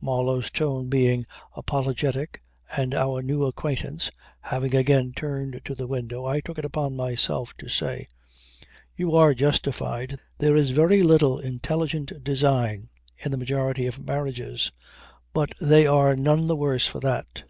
Marlow's tone being apologetic and our new acquaintance having again turned to the window I took it upon myself to say: "You are justified. There is very little intelligent design in the majority of marriages; but they are none the worse for that.